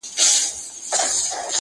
دپښتون په تور وهلی هر دوران دی,